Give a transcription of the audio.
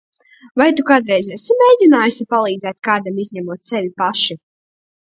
Vai tu kādreiz esi mēģinājusi palīdzēt kādam, izņemot sevi pašu?